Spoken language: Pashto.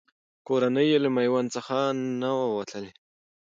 کورنۍ یې له میوند څخه نه وه تللې.